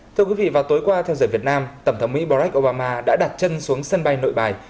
thưa quý vị vào tối qua theo giờ việt nam tổng thống mỹ barack obama đã đặt chân xuống sân bay nội bài